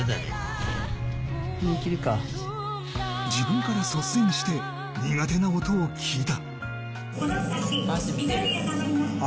自分から率先して苦手な音を聞いた。